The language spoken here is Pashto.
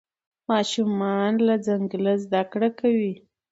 ماشومان له ځنګله زده کړه کوي.